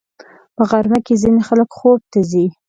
په غرمه کې ځینې خلک خوب ته ځي